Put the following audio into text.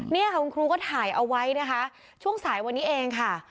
นี่ค่ะคุณครูก็ถ่ายเอาไว้นะคะช่วงสายวันนี้เองค่ะ